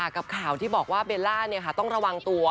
กับข่าวที่บอกว่าเบลล่าต้องระวังตัว